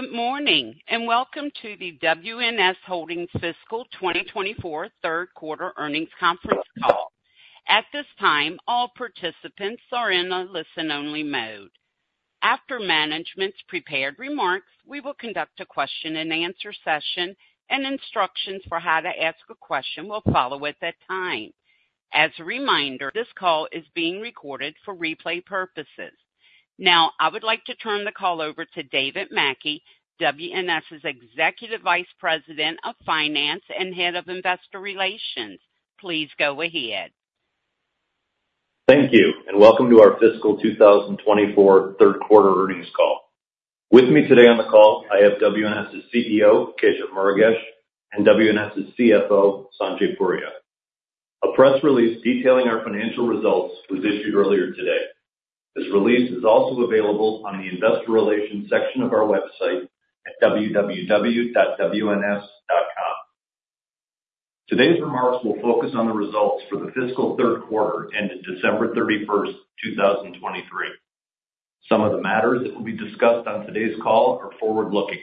Good morning, and welcome to the WNS Holdings Fiscal 2024 Q3 earnings conference call. At this time, all participants are in a listen-only mode. After management's prepared remarks, we will conduct a Q&A session, and instructions for how to ask a question will follow at that time. As a reminder, this call is being recorded for replay purposes. Now, I would like to turn the call over to David Mackey, WNS's Executive Vice President of Finance and Head of Investor Relations. Please go ahead. Thank you, and welcome to our fiscal 2024 Q3 earnings call. With me today on the call, I have WNS's CEO, Keshav Murugesh, and WNS's CFO, Sanjay Puria. A press release detailing our financial results was issued earlier today. This release is also available on the investor relations section of our website at www.wns.com. Today's remarks will focus on the results for the fiscal Q3, ending December 31, 2023. Some of the matters that will be discussed on today's call are forward-looking.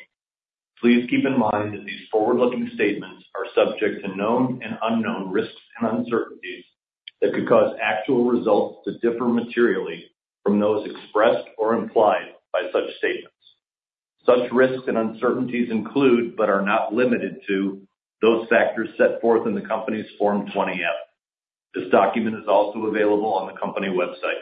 Please keep in mind that these forward-looking statements are subject to known and unknown risks and uncertainties that could cause actual results to differ materially from those expressed or implied by such statements. Such risks and uncertainties include, but are not limited to, those factors set forth in the company's Form 20-F. This document is also available on the company website.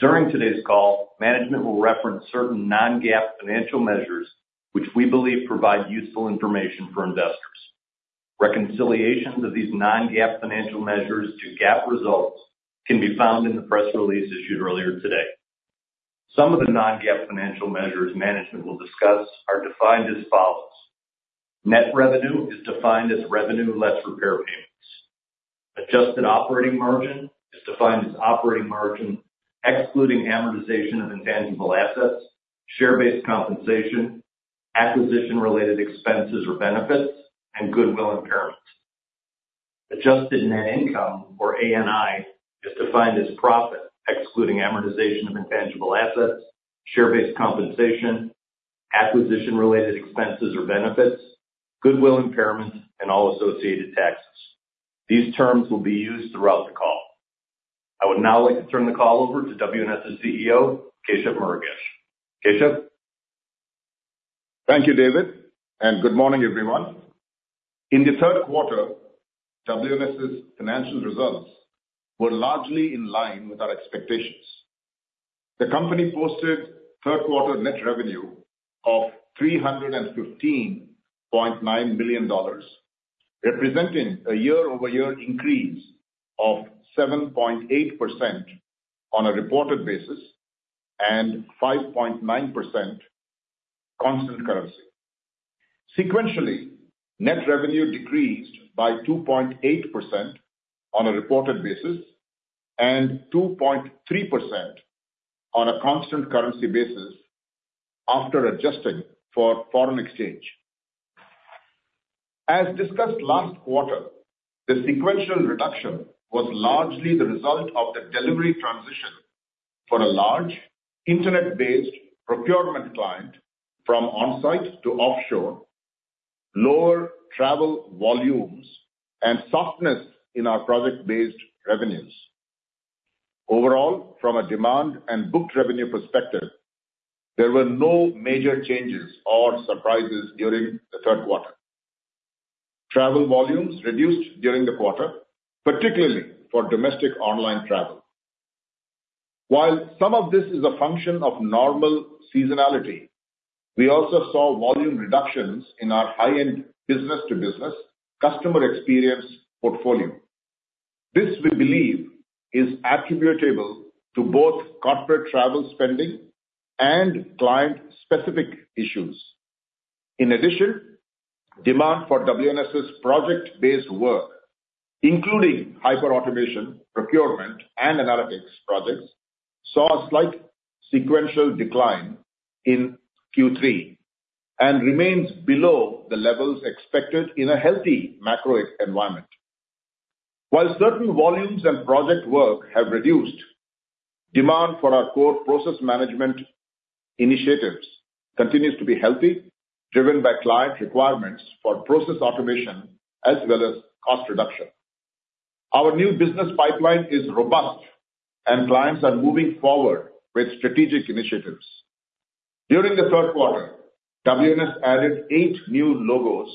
During today's call, management will reference certain non-GAAP financial measures, which we believe provide useful information for investors. Reconciliations of these non-GAAP financial measures to GAAP results can be found in the press release issued earlier today. Some of the non-GAAP financial measures management will discuss are defined as follows: Net revenue is defined as revenue less repair payments. Adjusted operating margin is defined as operating margin, excluding amortization of intangible assets, share-based compensation, acquisition-related expenses or benefits, and goodwill impairment. Adjusted net income, or ANI, is defined as profit, excluding amortization of intangible assets, share-based compensation, acquisition-related expenses or benefits, goodwill impairment, and all associated taxes. These terms will be used throughout the call. I would now like to turn the call over to WNS's CEO, Keshav Murugesh. Keshav? Thank you, David, and good morning, everyone. In the Q3, WNS's financial results were largely in line with our expectations. The company posted third-quarter net revenue of $315.9 billion, representing a year-over-year increase of 7.8% on a reported basis and 5.9% constant currency. Sequentially, net revenue decreased by 2.8% on a reported basis and 2.3% on a constant currency basis after adjusting for foreign exchange. As discussed last quarter, the sequential reduction was largely the result of the delivery transition for a large internet-based procurement client from on-site to offshore, lower travel volumes, and softness in our project-based revenues. Overall, from a demand and booked revenue perspective, there were no major changes or surprises during the Q3. Travel volumes reduced during the quarter, particularly for domestic online travel. While some of this is a function of normal seasonality, we also saw volume reductions in our high-end business-to-business customer experience portfolio. This, we believe, is attributable to both corporate travel spending and client-specific issues. In addition, demand for WNS's project-based work, including hyperautomation, procurement, and analytics projects, saw a slight sequential decline in Q3 and remains below the levels expected in a healthy macro environment. While certain volumes and project work have reduced, demand for our core process management initiatives continues to be healthy, driven by client requirements for process automation as well as cost reduction. Our new business pipeline is robust, and clients are moving forward with strategic initiatives. During the Q3, WNS added eight new logos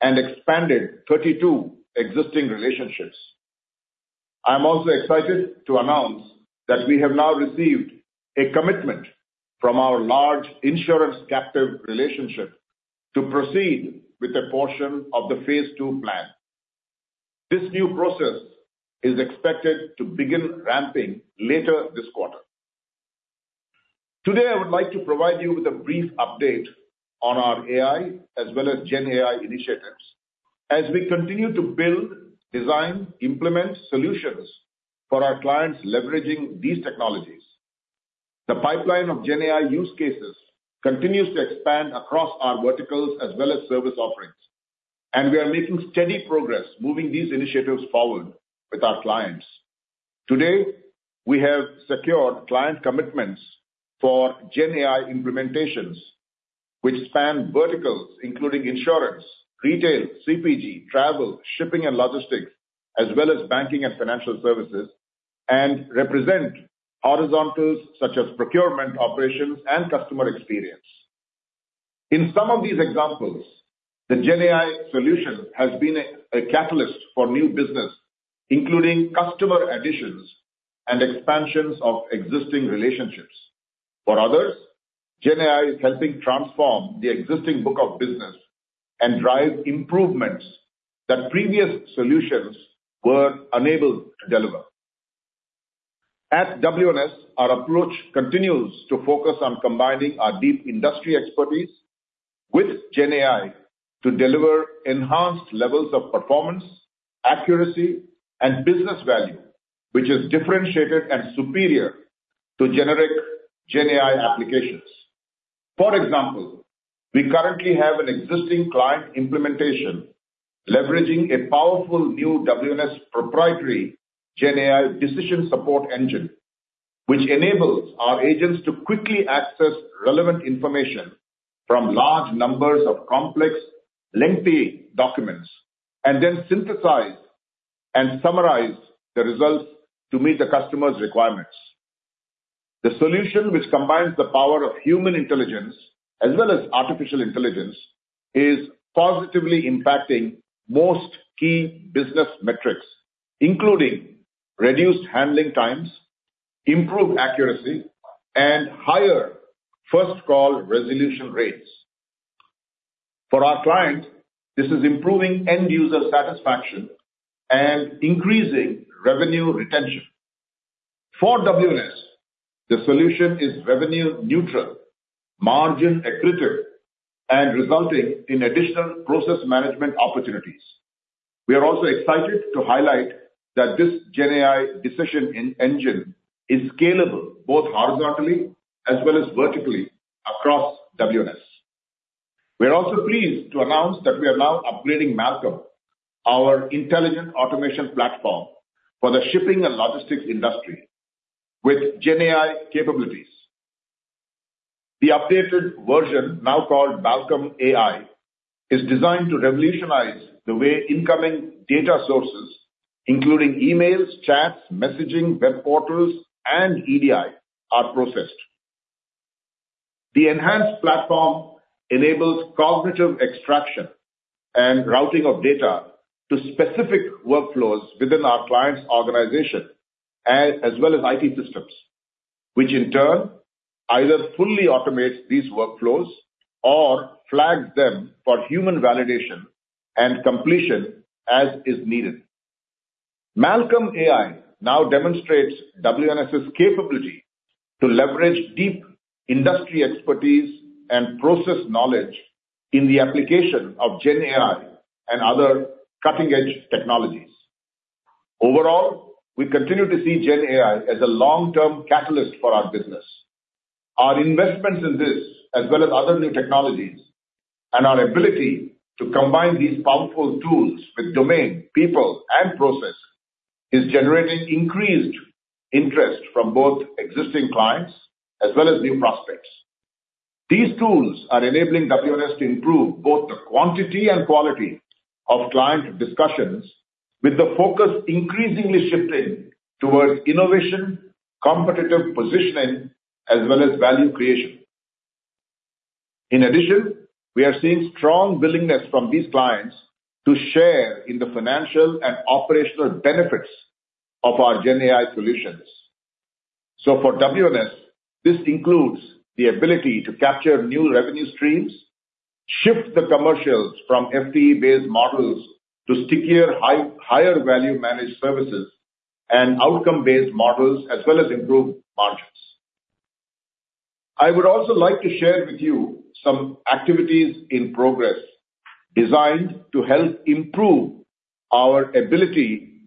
and expanded 32 existing relationships. I'm also excited to announce that we have now received a commitment from our large insurance captive relationship to proceed with a portion of the phase two plan. This new process is expected to begin ramping later this quarter. Today, I would like to provide you with a brief update on our AI as well as GenAI initiatives. As we continue to build, design, implement solutions for our clients leveraging these technologies, the pipeline of GenAI use cases continues to expand across our verticals as well as service offerings. We are making steady progress moving these initiatives forward with our clients. Today, we have secured client commitments for GenAI implementations, which span verticals including insurance, retail, CPG, travel, shipping, and logistics, as well as banking and financial services, and represent horizontals such as procurement, operations, and customer experience. In some of these examples, the GenAI solution has been a catalyst for new business, including customer additions and expansions of existing relationships. For others, GenAI is helping transform the existing book of business and drive improvements that previous solutions were unable to deliver. At WNS, our approach continues to focus on combining our deep industry expertise with GenAI to deliver enhanced levels of performance, accuracy, and business value, which is differentiated and superior to generic GenAI applications. For example, we currently have an existing client implementation leveraging a powerful new WNS proprietary GenAI decision support engine, which enables our agents to quickly access relevant information from large numbers of complex, lengthy documents, and then synthesize and summarize the results to meet the customer's requirements. The solution, which combines the power of human intelligence as well as artificial intelligence, is positively impacting most key business metrics, including reduced handling times, improved accuracy, and higher first call resolution rates. For our clients, this is improving end user satisfaction and increasing revenue retention. For WNS, the solution is revenue neutral, margin accretive, and resulting in additional process management opportunities. We are also excited to highlight that this GenAI decision in engine is scalable both horizontally as well as vertically across WNS. We are also pleased to announce that we are now upgrading Malkom, our intelligent automation platform, for the shipping and logistics industry with GenAI capabilities. The updated version, now called Malkom AI, is designed to revolutionize the way incoming data sources, including emails, chats, messaging, web portals, and EDI, are processed. The enhanced platform enables cognitive extraction and routing of data to specific workflows within our client's organization, as well as IT systems, which in turn either fully automates these workflows or flags them for human validation and completion as is needed. Malkom.ai now demonstrates WNS's capability to leverage deep industry expertise and process knowledge in the application of GenAI and other cutting-edge technologies. Overall, we continue to see GenAI as a long-term catalyst for our business. Our investments in this, as well as other new technologies, and our ability to combine these powerful tools with domain, people, and process, is generating increased interest from both existing clients as well as new prospects. These tools are enabling WNS to improve both the quantity and quality of client discussions, with the focus increasingly shifting toward innovation, competitive positioning, as well as value creation. In addition, we are seeing strong willingness from these clients to share in the financial and operational benefits of our GenAI solutions. So for WNS, this includes the ability to capture new revenue streams, shift the commercials from FTE-based models to stickier, higher value managed services and outcome-based models, as well as improved margins. I would also like to share with you some activities in progress designed to help improve our ability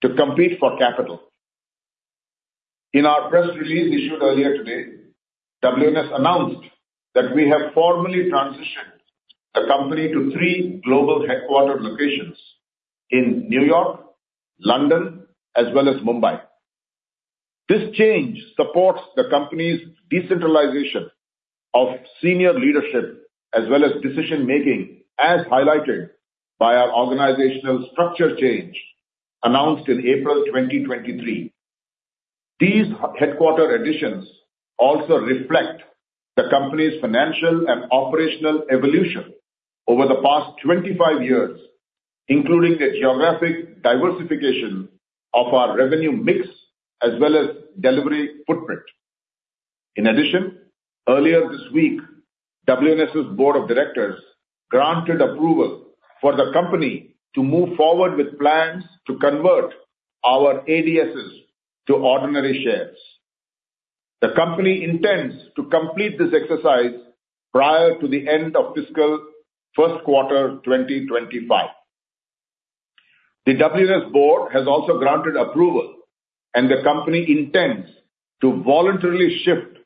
to compete for capital. In our press release issued earlier today, WNS announced that we have formally transitioned the company to 3 global headquarter locations in New York, London, as well as Mumbai. This change supports the company's decentralization of senior leadership as well as decision-making, as highlighted by our organizational structure change announced in April 2023. These headquarters additions also reflect the company's financial and operational evolution over the past 25 years, including the geographic diversification of our revenue mix as well as delivery footprint. In addition, earlier this week, WNS's board of directors granted approval for the company to move forward with plans to convert our ADSs to ordinary shares. The company intends to complete this exercise prior to the end of fiscal Q1 2025. The WNS board has also granted approval, and the company intends to voluntarily shift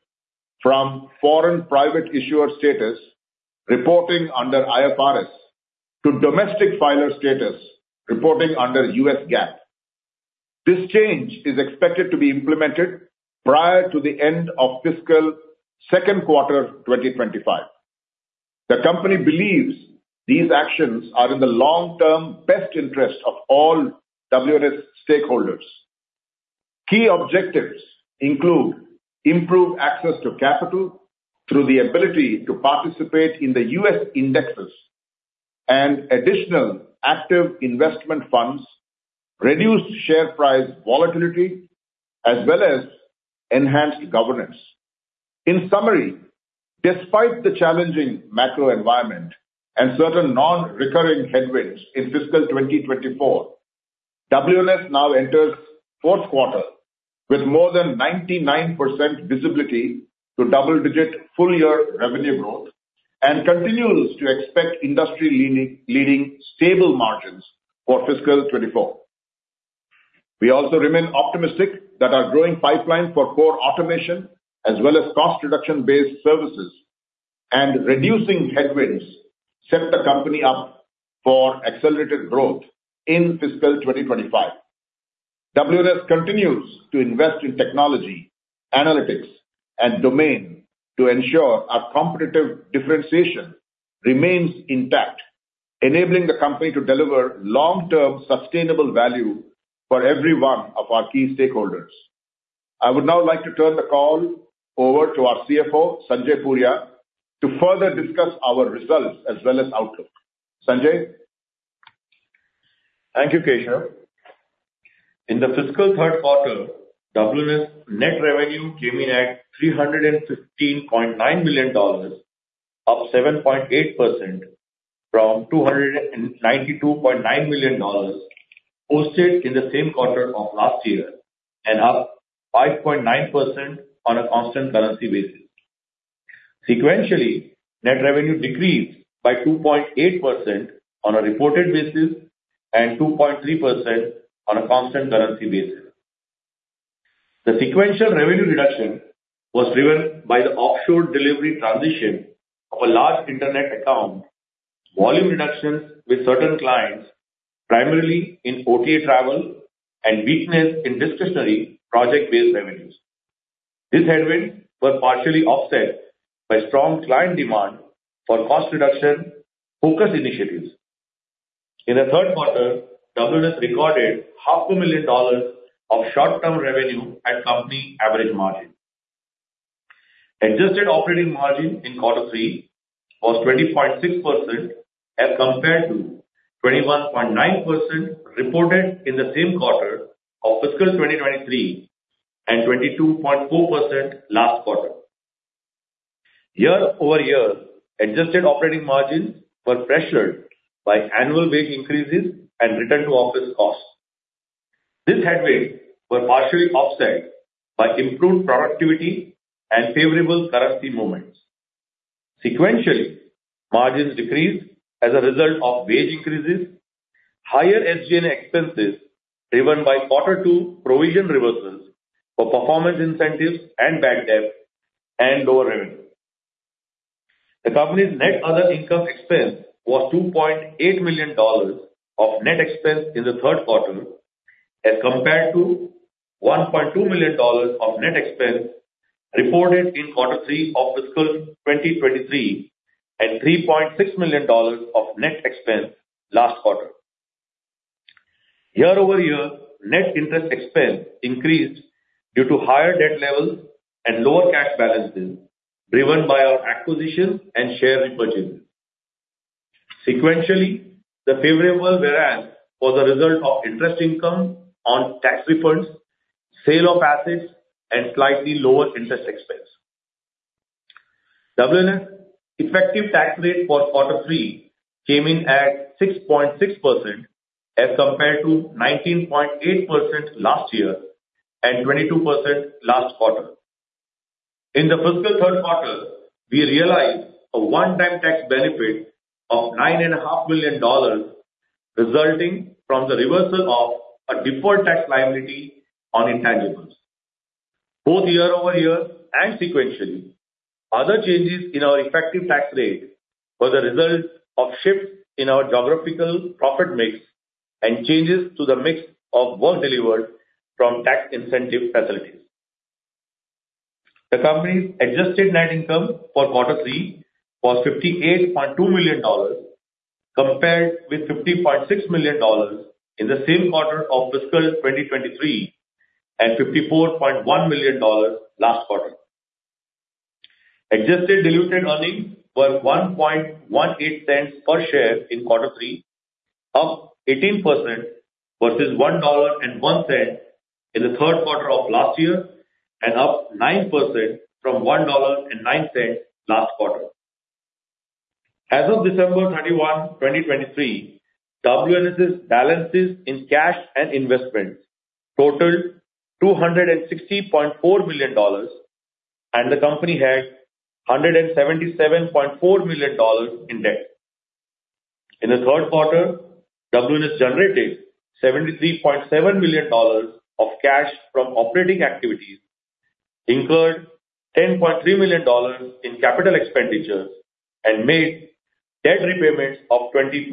from foreign private issuer status, reporting under IFRS, to domestic filer status, reporting under US GAAP. This change is expected to be implemented prior to the end of fiscal Q2 2025. The company believes these actions are in the long-term best interest of all WNS stakeholders. Key objectives include improved access to capital through the ability to participate in the U.S. indexes and additional active investment funds, reduced share price volatility, as well as enhanced governance. In summary, despite the challenging macro environment and certain non-recurring headwinds in fiscal 2024, WNS now enters Q4 with more than 99% visibility to double-digit full-year revenue growth, and continues to expect industry leading, leading stable margins for fiscal 2024. We also remain optimistic that our growing pipeline for core automation, as well as cost reduction-based services and reducing headwinds, set the company up for accelerated growth in fiscal 2025. WNS continues to invest in technology, analytics, and domain to ensure our competitive differentiation remains intact, enabling the company to deliver long-term, sustainable value for every one of our key stakeholders. I would now like to turn the call over to our CFO, Sanjay Puria, to further discuss our results as well as outlook. Sanjay? Thank you, Keshav. In the fiscal Q3, WNS net revenue came in at $315.9 million, up 7.8% from $292.9 million posted in the same quarter of last year, and up 5.9% on a constant currency basis. Sequentially, net revenue decreased by 2.8% on a reported basis and 2.3% on a constant currency basis. The sequential revenue reduction was driven by the offshore delivery transition of a large internet account, volume reductions with certain clients, primarily in OTA travel and weakness in discretionary project-based revenues. This headwind was partially offset by strong client demand for cost reduction focus initiatives. In the Q3, WNS recorded $500,000 of short-term revenue at company average margin. Adjusted operating margin in quarter three was 20.6%, as compared to 21.9% reported in the same quarter of fiscal 2023, and 22.4% last quarter. Year-over-year, adjusted operating margins were pressured by annual wage increases and return to office costs. These headwinds were partially offset by improved productivity and favorable currency movements. Sequentially, margins decreased as a result of wage increases, higher SG&A expenses, driven by quarter two provision reversals for performance incentives and bad debt, and lower revenue. The company's net other income expense was $2.8 million of net expense in the Q3, as compared to $1.2 million of net expense reported in quarter three of fiscal 2023, and $3.6 million of net expense last quarter. Year-over-year, net interest expense increased due to higher debt levels and lower cash balances, driven by our acquisitions and share repurchases. Sequentially, the favorable variance was a result of interest income on tax refunds, sale of assets, and slightly lower interest expense. WNS effective tax rate for quarter three came in at 6.6%, as compared to 19.8% last year and 22% last quarter. In the fiscal Q3, we realized a one-time tax benefit of $9.5 million, resulting from the reversal of a deferred tax liability on intangibles. Both year-over-year and sequentially, other changes in our effective tax rate were the result of shifts in our geographical profit mix and changes to the mix of work delivered from tax incentive facilities. The company's adjusted net income for quarter three was $58.2 million, compared with $50.6 million in the same quarter of fiscal 2023, and $54.1 million last quarter. Adjusted diluted earnings were $0.118 per share in quarter three, up 18% versus $1.01 in the Q3 of last year, and up 9% from $1.09 last quarter. As of December 31, 2023, WNS's balances in cash and investments totaled $260.4 million and the company had $177.4 million in debt. In the Q3, WNS generated $73.7 million of cash from operating activities, incurred $10.3 million in capital expenditures, and made debt repayments of $20.2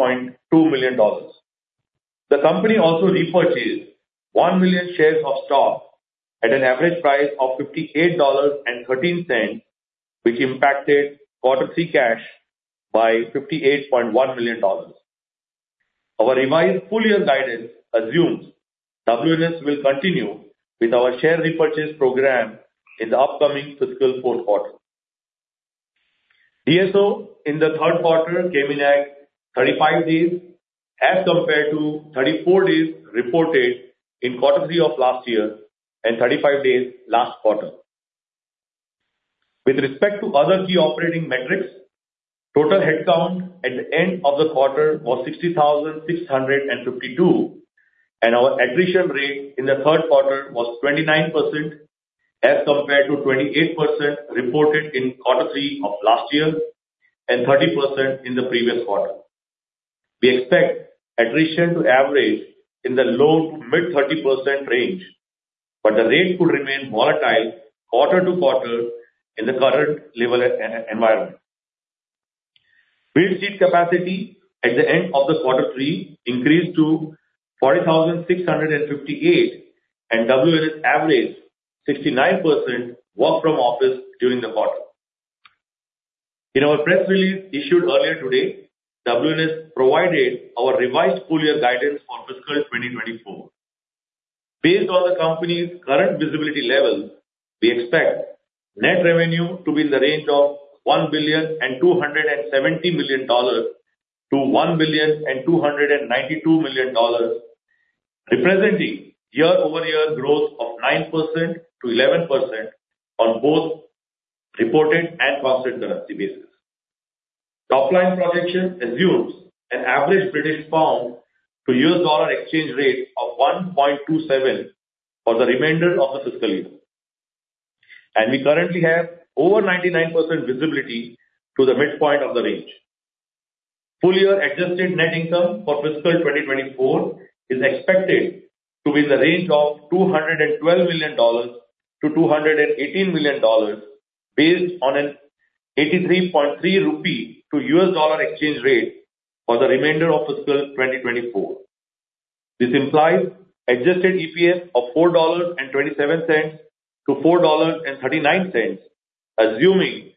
million. The company also repurchased 1 million shares of stock at an average price of $58.13, which impacted quarter three cash by $58.1 million. Our revised full year guidance assumes WNS will continue with our share repurchase program in the upcoming fiscal Q4. DSO in the Q3 came in at 35 days, as compared to 34 days reported in quarter three of last year and 35 days last quarter. With respect to other key operating metrics, total headcount at the end of the quarter was 60,652, and our attrition rate in the Q3 was 29%, as compared to 28% reported in quarter three of last year and 30% in the previous quarter. We expect attrition to average in the low to mid-30% range, but the rate could remain volatile quarter to quarter in the current environment. Real seat capacity at the end of quarter three increased to 40,658, and WNS averaged 69% work from office during the quarter. In our press release issued earlier today, WNS provided our revised full year guidance for fiscal 2024. Based on the company's current visibility levels, we expect net revenue to be in the range of $1.27 billion-$1.292 billion, representing year-over-year growth of 9%-11% on both reported and constant currency basis. The top line projection assumes an average GBP to USD exchange rate of 1.27 for the remainder of the FY, and we currently have over 99% visibility to the midpoint of the range. Full year adjusted net income for fiscal 2024 is expected to be in the range of $212 million-$218 million, based on an 83.3 rupee to USD exchange rate for the remainder of fiscal 2024. This implies adjusted EPS of $4.27-$4.39, assuming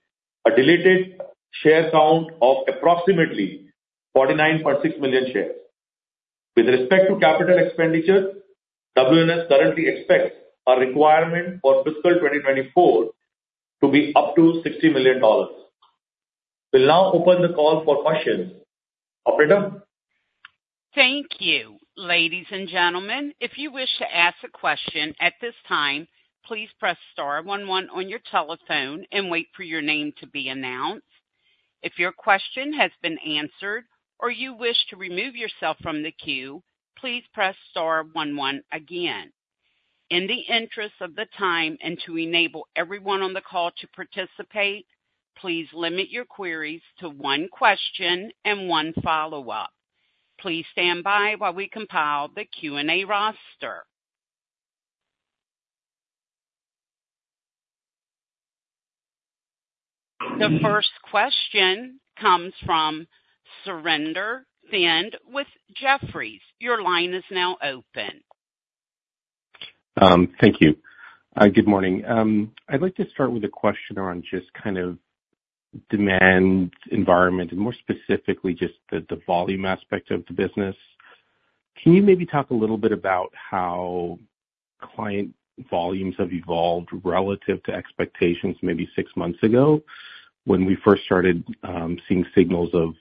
a diluted share count of approximately 49.6 million shares. With respect to capital expenditures, WNS currently expects a requirement for fiscal 2024 to be up to $60 million. We'll now open the call for questions. Operator? Thank you. Ladies and gentlemen, if you wish to ask a question at this time, please press star one one on your telephone and wait for your name to be announced. If your question has been answered or you wish to remove yourself from the queue, please press star one one again. In the interest of the time and to enable everyone on the call to participate, please limit your queries to one question and one follow-up. Please stand by while we compile the Q&A roster. The first question comes from Surinder Thind with Jefferies. Your line is now open. Thank you. Good morning. I'd like to start with a question on just demand environment, and more specifically, just the volume aspect of the business. Can you maybe talk a little bit about how client volumes have evolved relative to expectations maybe six months ago, when we first started seeing signals of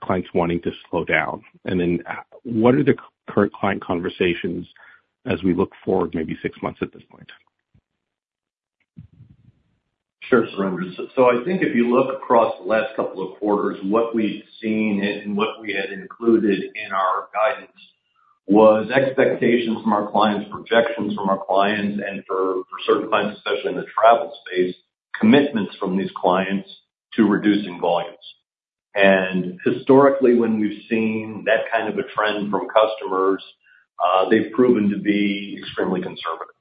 clients wanting to slow down? And then, what are the current client conversations as we look forward maybe six months at this point? Sure, Surinder. So I think if you look across the last couple of quarters, what we've seen and what we had included in our guidance was expectations from our clients, projections from our clients, and for certain clients, especially in the travel space, commitments from these clients to reducing volumes. Historically, when we've seen that a trend from customers, they've proven to be extremely conservative.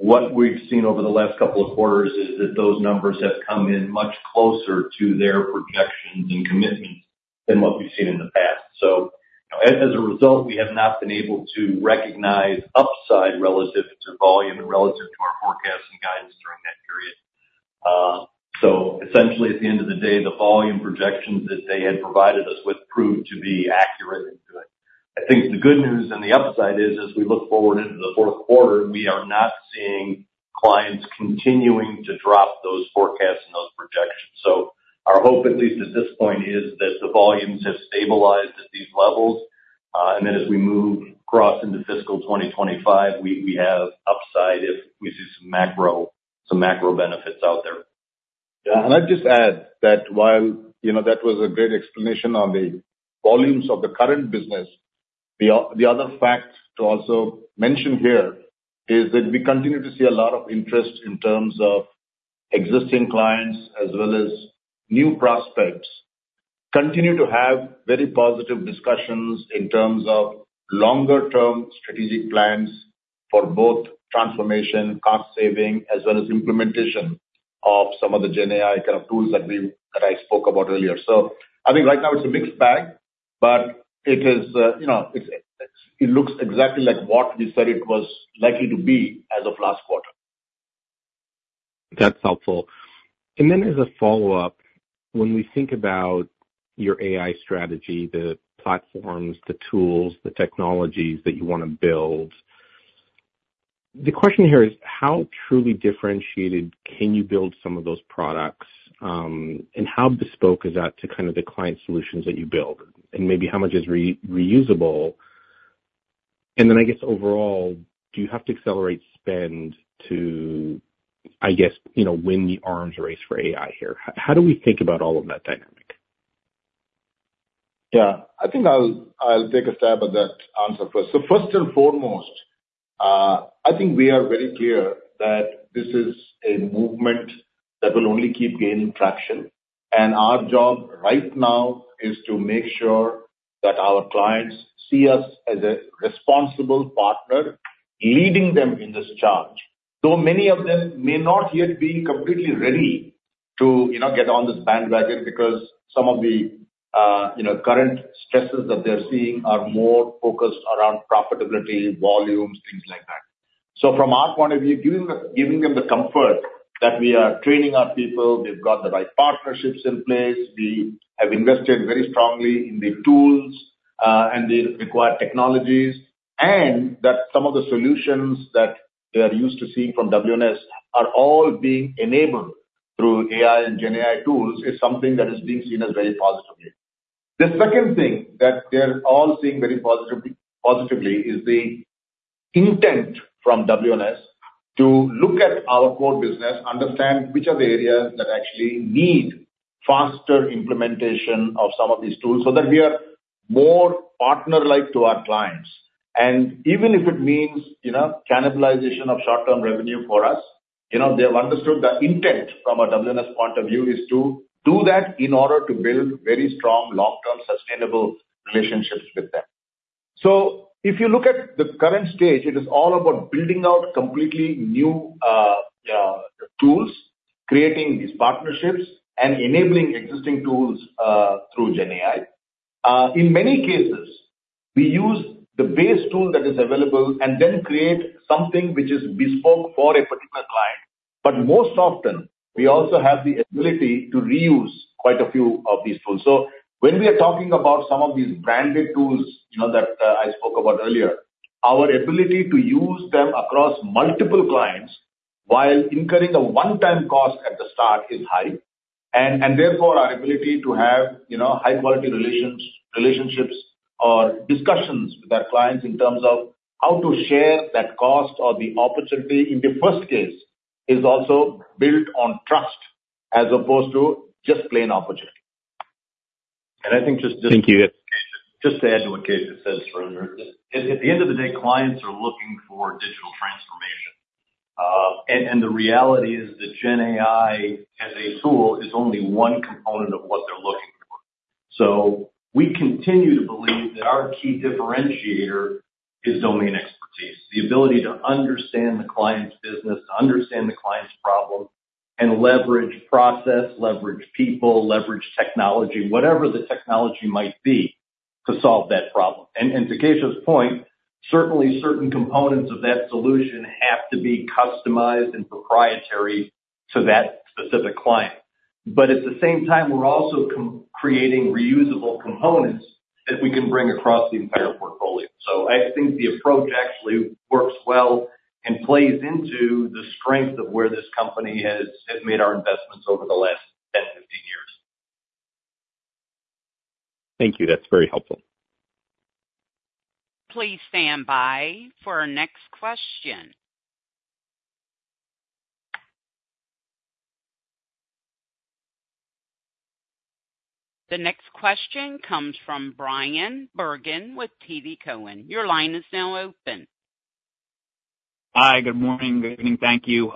What we've seen over the last couple of quarters is that those numbers have come in much closer to their projections and commitments than what we've seen in the past. So as a result, we have not been able to recognize upside relative to volume and relative to our forecast and guidance during that period. So essentially, at the end of the day, the volume projections that they had provided us with proved to be accurate. I think the good news and the upside is, as we look forward into the Q4, we are not seeing clients continuing to drop those forecasts and those projections. So our hope, at least at this point, is that the volumes have stabilized at these levels, and then as we move across into fiscal 2025, we, we have upside if we see some macro, some macro benefits out there. And I'd just add that while, you know, that was a great explanation on the volumes of the current business, the other fact to also mention here is that we continue to see a lot of interest in terms of existing clients as well as new prospects, continue to have very positive discussions in terms of longer-term strategic plans for both transformation, cost saving, as well as implementation of some of the GenAI tools that we-- that I spoke about earlier. So I think right now it's a mixed bag, but it is, you know, it looks exactly like what we said it was likely to be as of last quarter. That's helpful. And then as a follow-up, when we think about your AI strategy, the platforms, the tools, the technologies that you wanna build, the question here is: How truly differentiated can you build some of those products? And how bespoke is that to the client solutions that you build, and maybe how much is reusable? And then I guess, overall, do you have to accelerate spend to, I guess, you know, win the arms race for AI here? How do we think about all of that dynamic? I think I'll take a stab at that answer first. So first and foremost, I think we are very clear that this is a movement that will only keep gaining traction, and our job right now is to make sure that our clients see us as a responsible partner, leading them in this charge. Though many of them may not yet be completely ready to, you know, get on this bandwagon, because some of the, you know, current stresses that they're seeing are more focused around profitability, volumes, things like that. So from our point of view, giving them the comfort that we are training our people, we've got the right partnerships in place, we have invested very strongly in the tools, and the required technologies, and that some of the solutions that they are used to seeing from WNS are all being enabled through AI and GenAI tools, is something that is being seen as very positively. The second thing that they're all seeing very positively is the intent from WNS to look at our core business, understand which are the areas that actually need faster implementation of some of these tools, so that we are more partner-like to our clients. And even if it means, you know, cannibalization of short-term revenue for us, you know, they have understood the intent from a WNS point of view is to do that in order to build very strong, long-term, sustainable relationships with them. So if you look at the current stage, it is all about building out completely new tools, creating these partnerships, and enabling existing tools through GenAI. In many cases, we use the base tool that is available and then create something which is bespoke for a particular client. But most often, we also have the ability to reuse quite a few of these tools. So when we are talking about some of these branded tools, you know, that I spoke about earlier, our ability to use them across multiple clients while incurring a one-time cost at the start is high. Therefore, our ability to have, you know, high-quality relations, relationships or discussions with our clients in terms of how to share that cost or the opportunity in the first case, is also built on trust as opposed to just plain opportunity. And I think just- Thank you. Just to add to what Keshav says, at the end of the day, clients are looking for digital transformation. And the reality is that GenAI, as a tool, is only one component of what they're looking for. So we continue to believe that our key differentiator is domain expertise, the ability to understand the client's business, understand the client's problem, and leverage process, leverage people, leverage technology, whatever the technology might be, to solve that problem. And to Keshav's point, certainly, certain components of that solution have to be customized and proprietary to that specific client. But at the same time, we're also creating reusable components that we can bring across the entire portfolio. So I think the approach actually works well and plays into the strength of where this company has made our investments over the last 10, 15 years. Thank you. That's very helpful. Please stand by for our next question. The next question comes from Bryan Bergin with TD Cowen. Your line is now open. Hi, good morning. Good evening. Thank you.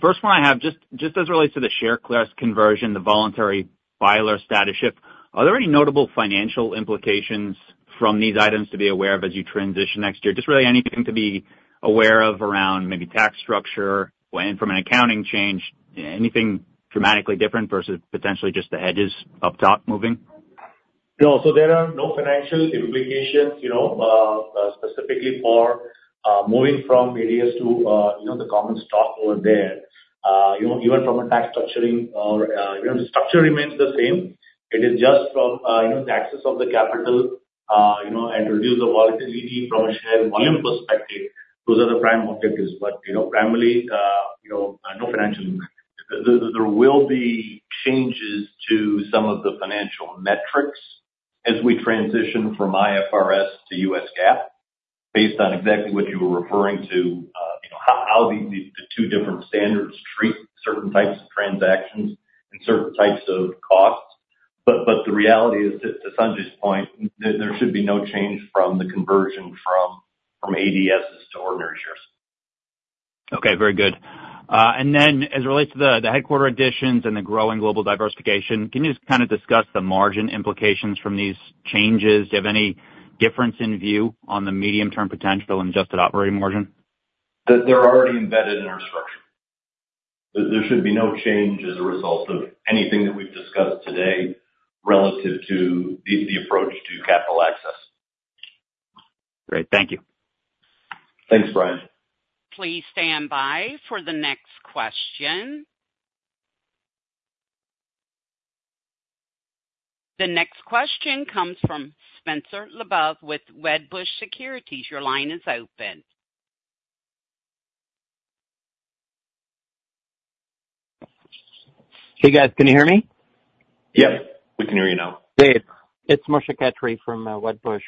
First one I have, just as it relates to the share class conversion, the voluntary filer status shift, are there any notable financial implications from these items to be aware of as you transition next year? Just really anything to be aware of around maybe tax structure, and from an accounting change, anything dramatically different versus potentially just the hedges up top moving? No, so there are no financial implications, you know, specifically for moving from ADS to, you know, the common stock over there. You know, even from a tax structuring or, you know, the structure remains the same. It is just from, you know, the access of the capital, you know, and reduce the volatility from a share volume perspective. Those are the prime objectives. But, you know, primarily, you know, no financial. There will be changes to some of the financial metrics as we transition from IFRS to US GAAP, based on exactly what you were referring to, you know, how the two different standards treat certain types of transactions and certain types of costs. But the reality is, to Sanjay's point, there should be no change from the conversion from ADSs to ordinary shares. Okay, very good. And then as it relates to the headquarters additions and the growing global diversification, can you just discuss the margin implications from these changes? Do you have any difference in view on the medium-term potential in adjusted operating margin? They're already embedded in our structure. There should be no change as a result of anything that we've discussed today relative to the approach to capital access. Great, thank you. Thanks, Brian. Please stand by for the next question. The next question comes from Spencer LeBoeuf with Wedbush Securities. Your line is open. Hey, guys. Can you hear me? Yes, we can hear you now. Dave, it's Moshe Katri from Wedbush.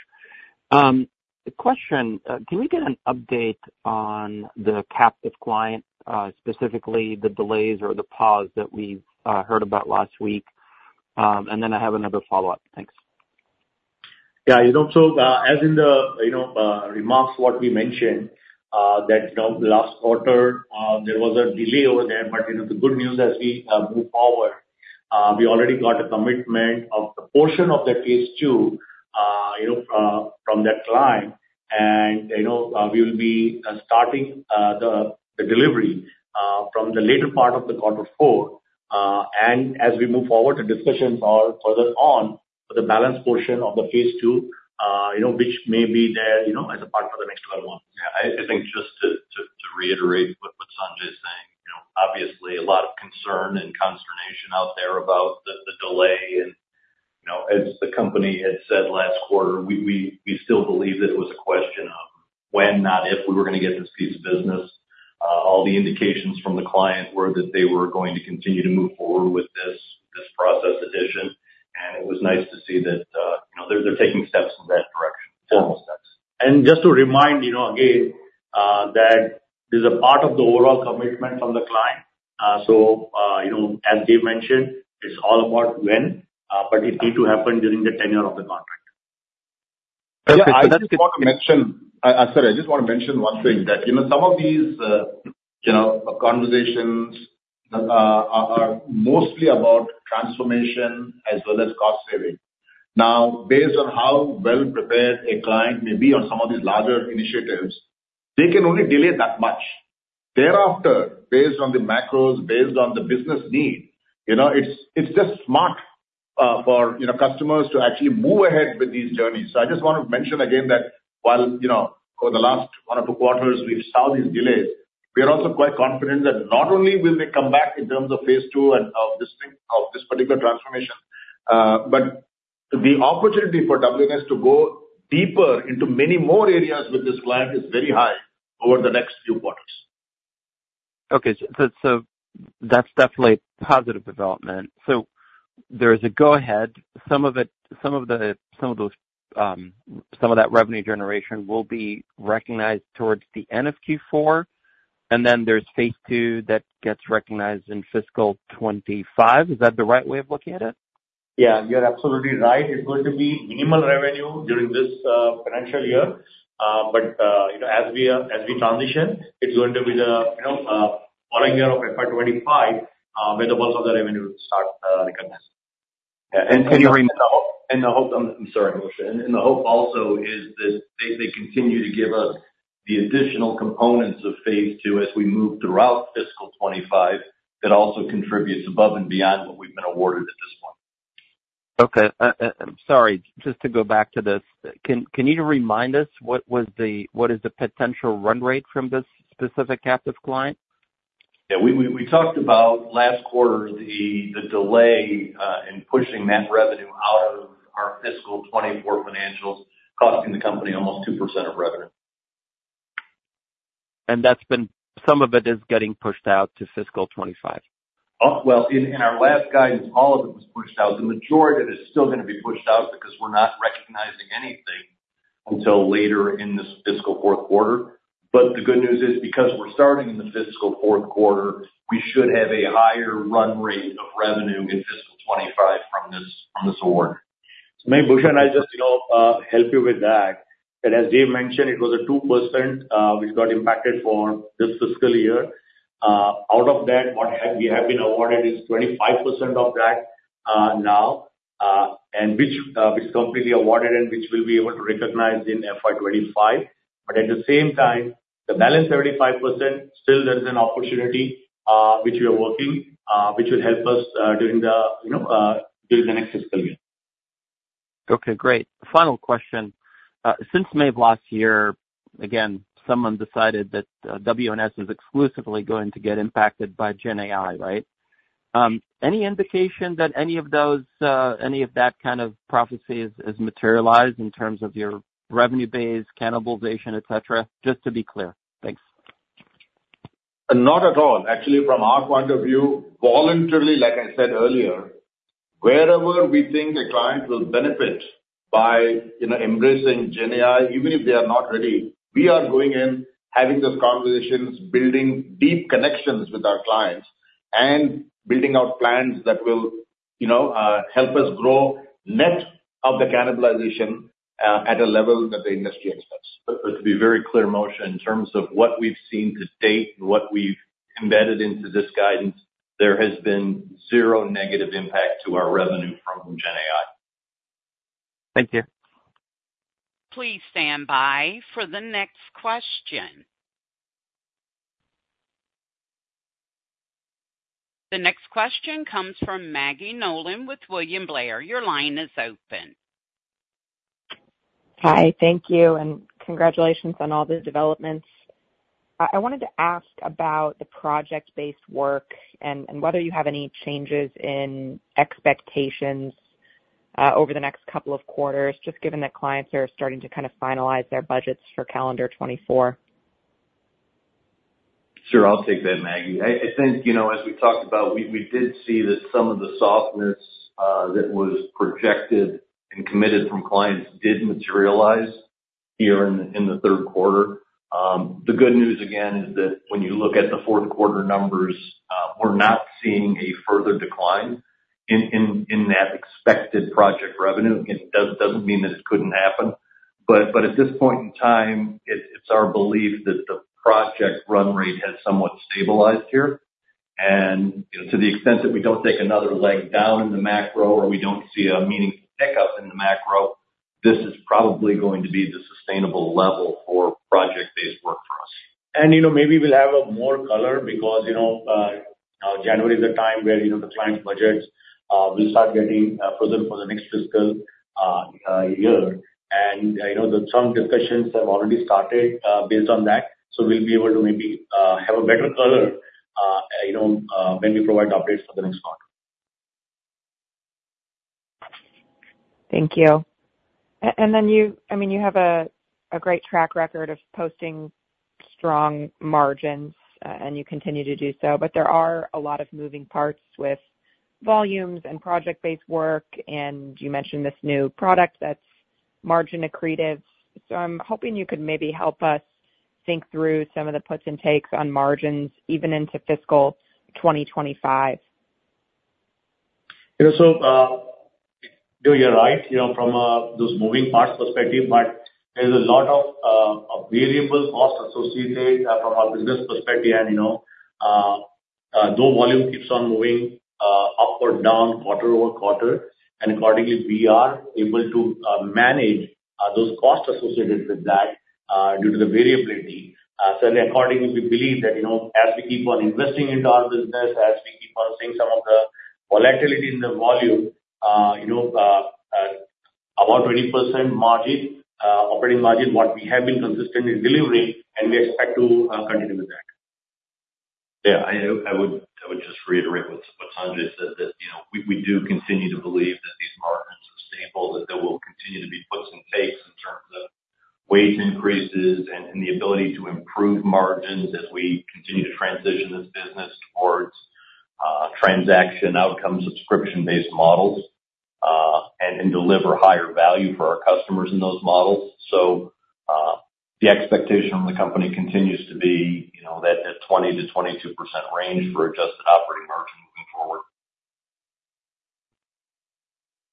The question, can we get an update on the captive client, specifically the delays or the pause that we heard about last week? And then I have another follow-up. Thanks. You know, so, as in the remarks what we mentioned, that, you know, last quarter, there was a delay over there. But, you know, the good news as we move forward, we already got a commitment of the portion of the phase 2, you know, from that client. And, you know, we'll be starting the delivery from the later part of the quarter 4. And as we move forward to discussions are further on for the balance portion of the phase 2, you know, which may be there, you know, as a part for the next 12 months. I think just to reiterate what Sanjay is saying, you know, obviously, a lot of concern and consternation out there about the delay. And, you know, as the company had said last quarter, we still believe that it was a question of when, not if, we were gonna get this piece of business. All the indications from the client were that they were going to continue to move forward with this process addition, and it was nice to see that, you know, they're taking steps in that direction, formal steps. Just to remind, you know, again, that this is a part of the overall commitment from the client. So, you know, as Dave mentioned, it's all about when, but it need to happen during the tenure of the contract. I just want to mention one thing, that, you know, some of these, you know, conversations are mostly about transformation as well as cost saving. Now, based on how well prepared a client may be on some of these larger initiatives, they can only delay that much. Thereafter, based on the macros, based on the business need, you know, it's just smart for, you know, customers to actually move ahead with these journeys. So I just want to mention again that while, you know, for the last one or two quarters we've saw these delays, we are also quite confident that not only will they come back in terms of phase two and of this thing, of this particular transformation, but the opportunity for WNS to go deeper into many more areas with this client is very high over the next few quarters. Okay. So, so that's definitely a positive development. So there is a go-ahead. Some of that revenue generation will be recognized towards the end of Q4, and then there's phase two that gets recognized in fiscal 2025. Is that the right way of looking at it? You're absolutely right. It's going to be minimal revenue during this financial year. But you know, as we transition, it's going to be the following year of FY 2025 where the bulk of the revenue will start recognized. And the hope Can you hear me now? And the hope, I'm sorry, Moshe. And the hope also is that they continue to give us the additional components of phase two as we move throughout fiscal 2025. That also contributes above and beyond what we've been awarded at this point. Okay. Sorry, just to go back to this, can you remind us what was the—what is the potential run rate from this specific captive client? We talked about last quarter the delay in pushing that revenue out of our fiscal 2024 financials, costing the company almost 2% of revenue. That's been, some of it is getting pushed out to fiscal 25? Well, in our last guidance, all of it was pushed out. The majority of it is still gonna be pushed out because we're not recognizing anything until later in this fiscal Q4. But the good news is, because we're starting in the fiscal Q4, we should have a higher run rate of revenue in fiscal 25 from this, from this award. So Moshe, can I just, you know, help you with that? That as Dave mentioned, it was a 2%, which got impacted for this FY. Out of that, what have -- we have been awarded is 25% of that, now, and which, is completely awarded and which we'll be able to recognize in FY 2025. But at the same time, the balance 75%, still there's an opportunity, which we are working, which would help us, during the, you know, during the next FY. Okay, great. Final question. Since May of last year, again, someone decided that WNS is exclusively going to get impacted by GenAI, right? Any indication that any of those, any of that prophecy is materialized in terms of your revenue base, cannibalization, et cetera, just to be clear? Thanks. Not at all. Actually, from our point of view, voluntarily, like I said earlier, wherever we think a client will benefit by, you know, embracing GenAI, even if they are not ready, we are going in, having those conversations, building deep connections with our clients, and building out plans that will, you know, help us grow net of the cannibalization, at a level that the industry expects. But to be very clear, Moshe, in terms of what we've seen to date and what we've embedded into this guidance, there has been zero negative impact to our revenue from GenAI. Thank you. Please stand by for the next question. The next question comes from Maggie Nolan with William Blair. Your line is open. Hi, thank you, and congratulations on all the developments. I wanted to ask about the project-based work and whether you have any changes in expectations, over the next couple of quarters, just given that clients are starting to finalize their budgets for calendar 2024. Sure. I'll take that, Maggie. I think, you know, as we talked about, we did see that some of the softness that was projected and committed from clients did materialize here in the Q3. The good news, again, is that when you look at the Q4 numbers, we're not seeing a further decline in that expected project revenue. Again, it doesn't mean that it couldn't happen, but at this point in time, it's our belief that the project run rate has somewhat stabilized here. And, you know, to the extent that we don't take another leg down in the macro or we don't see a meaningful pickup in the macro, this is probably going to be the sustainable level for project-based work for us. You know, maybe we'll have a more color because, you know, now January is a time where, you know, the client's budgets will start getting frozen for the next FY. I know that some discussions have already started based on that, so we'll be able to maybe have a better color, you know, when we provide updates for the next quarter. Thank you. And then you—I mean, you have a great track record of posting strong margins, and you continue to do so, but there are a lot of moving parts with volumes and project-based work, and you mentioned this new product that's margin accretive. So I'm hoping you could maybe help us think through some of the puts and takes on margins even into fiscal 2025. You know, so, you know, you're right, you know, from those moving parts perspective, but there's a lot of variable costs associated from a business perspective. And, you know, though volume keeps on moving up or down quarter-over-quarter, and accordingly, we are able to manage those costs associated with that due to the variability. So accordingly, we believe that, you know, as we keep on investing into our business, as we keep on seeing some of the volatility in the volume, you know, about 20% margin, operating margin, what we have been consistently delivering, and we expect to continue with that. I would just reiterate what Sanjay said, that, you know, we do continue to believe that these margins are stable, that there will continue to be puts and takes in terms of wage increases and the ability to improve margins as we continue to transition this business towards transaction outcome, subscription-based models, and then deliver higher value for our customers in those models. So, the expectation from the company continues to be, you know, that at 20%-22% range for adjusted operating margin moving forward.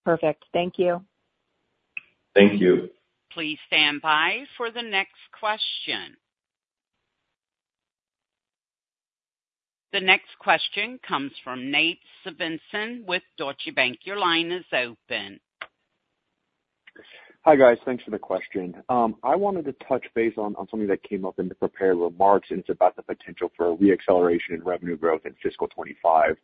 Perfect. Thank you. Thank you. Please stand by for the next question. The next question comes from Nate Svensson with Deutsche Bank. Your line is open. Hi, guys. Thanks for the question. I wanted to touch base on, on something that came up in the prepared remarks, and it's about the potential for a re-acceleration in revenue growth in fiscal 2025.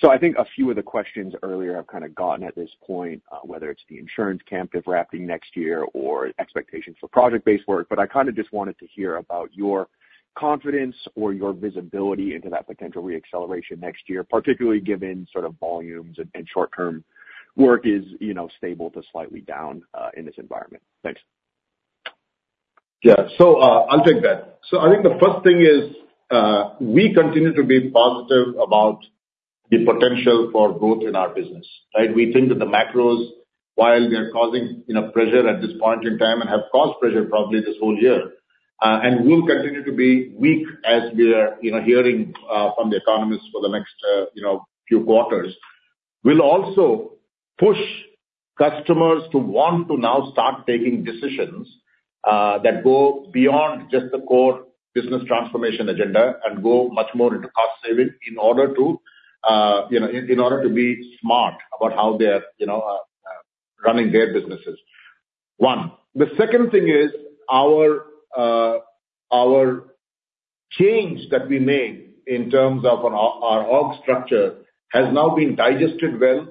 So I think a few of the questions earlier have gotten at this point, whether it's the insurance ramp-up next year or expectations for project-based work, but just wanted to hear about your confidence or your visibility into that potential re-acceleration next year, particularly given volumes and, and short-term work is, you know, stable to slightly down, in this environment. Thanks. So, I'll take that. So I think the first thing is, we continue to be positive about the potential for growth in our business, right? We think that the macros, while they are causing, you know, pressure at this point in time and have caused pressure probably this whole year, and will continue to be weak as we are, you know, hearing from the economists for the next, you know, few quarters, will also push customers to want to now start taking decisions that go beyond just the core business transformation agenda and go much more into cost saving in order to, you know, in order to be smart about how they are, you know, running their businesses. The second thing is our, our change that we made in terms of our, our org structure has now been digested well,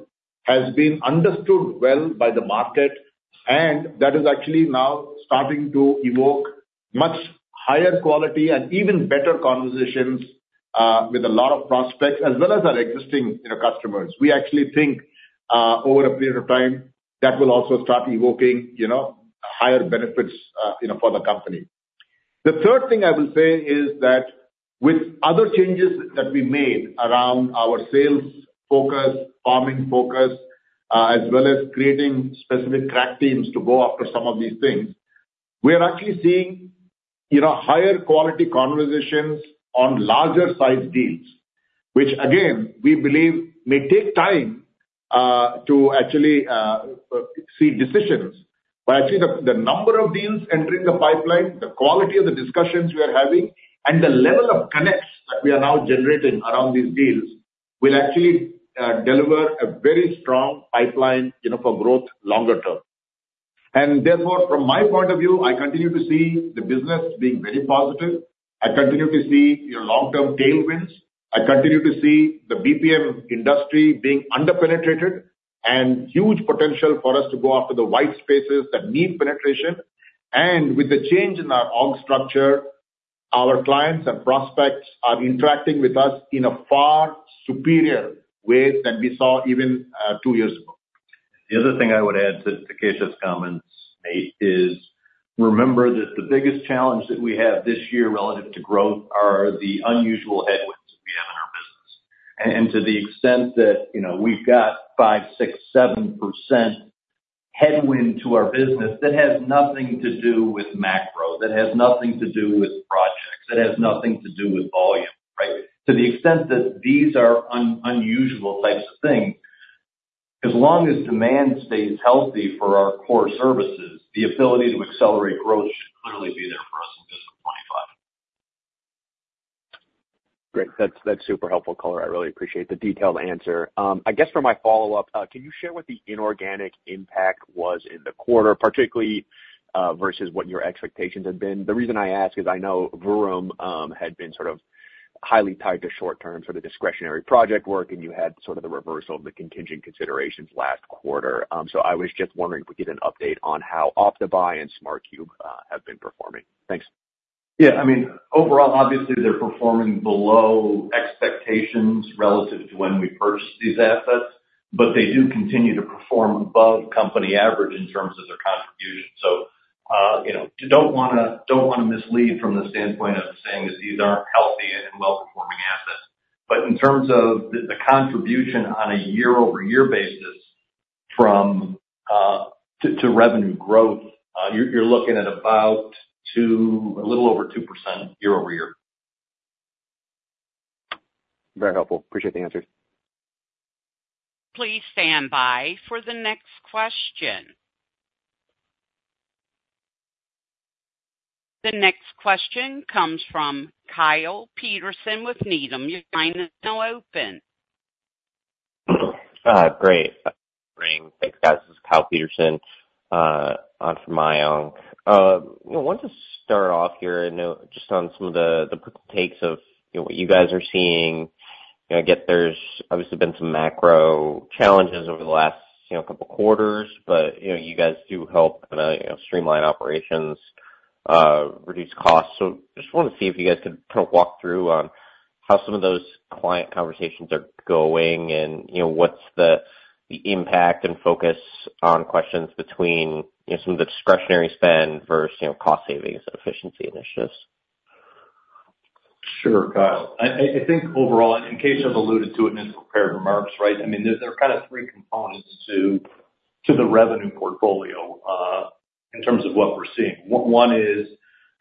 has been understood well by the market, and that is actually now starting to evoke much higher quality and even better conversations, with a lot of prospects, as well as our existing, you know, customers. We actually think, over a period of time, that will also start evoking, you know higher benefits, you know, for the company. The third thing I will say is that with other changes that we made around our sales focus, farming focus, as well as creating specific track teams to go after some of these things, we are actually seeing, you know, higher quality conversations on larger size deals, which again, we believe may take time, to actually, see decisions. But I see the number of deals entering the pipeline, the quality of the discussions we are having, and the level of connects that we are now generating around these deals, will actually deliver a very strong pipeline, you know, for growth longer term. And therefore, from my point of view, I continue to see the business being very positive. I continue to see, you know, long-term tailwinds. I continue to see the BPM industry being under-penetrated, and huge potential for us to go after the white spaces that need penetration. And with the change in our org structure, our clients and prospects are interacting with us in a far superior way than we saw even two years ago. The other thing I would add to Keshav's comments, Nate, is remember that the biggest challenge that we have this year relative to growth are the unusual headwinds that we have in our business. To the extent that, you know, we've got 5, 6, 7% headwind to our business, that has nothing to do with macro, that has nothing to do with projects, that has nothing to do with volume, right? To the extent that these are unusual types of things, as long as demand stays healthy for our core services, the ability to accelerate growth should clearly be there for us in fiscal 2025. Great. That's, that's super helpful color. I really appreciate the detailed answer. I guess for my follow-up, can you share what the inorganic impact was in the quarter, particularly, versus what your expectations had been? The reason I ask is I know Vuram had been highly tied to short term for the discretionary project work, and you had the reversal of the contingent considerations last quarter. So I was just wondering if we get an update on how OptiBuy and Smart Cube have been performing. Thanks. I mean, overall, obviously, they're performing below expectations relative to when we purchased these assets, but they do continue to perform above company average in terms of their contribution. So, you know, you don't wanna, don't wanna mislead from the standpoint of saying that these aren't healthy and well-performing assets. But in terms of the contribution on a year-over-year basis from to revenue growth, you're looking at about 2, a little over 2% year-over-year. Very helpful. Appreciate the answers. Please stand by for the next question. The next question comes from Kyle Peterson with Needham. Your line is now open. Great. Thanks, guys. This is Kyle Peterson on for Mayong. You know, want to start off here, you know, just on some of the quick takes of, you know, what you guys are seeing. You know, I get there's obviously been some macro challenges over the last, you know, couple quarters, but, you know, you guys do help, you know, streamline operations, reduce costs. So just wanted to see if you guys could walk through on how some of those client conversations are going and, you know, what's the impact and focus on questions between, you know, some of the discretionary spend versus, you know, cost savings and efficiency initiatives? Sure, Kyle. I think overall, and Keshav alluded to it in his prepared remarks, right? I mean, there are three components to the revenue portfolio, in terms of what we're seeing. One is